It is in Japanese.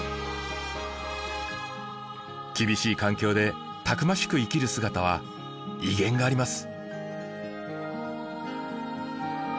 厳しい環境でたくましく生きる姿は威厳があります。